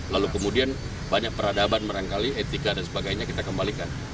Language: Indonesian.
lalu kemudian banyak peradaban barangkali etika dan sebagainya kita kembalikan